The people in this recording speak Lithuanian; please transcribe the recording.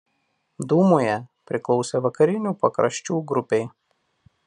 Dūmoje priklausė Vakarinių pakraščių grupei.